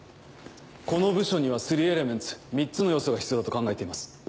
この部署にはスリーエレメンツ３つの要素が必要だと考えています。